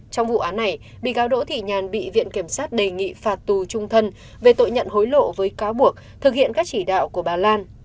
trong vụ án này bị cáo đỗ thị nhàn bị viện kiểm sát đề nghị phạt tù trung thân về tội nhận hối lộ với cáo buộc thực hiện các chỉ đạo của bà lan